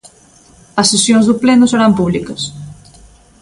"As sesións do pleno serán públicas".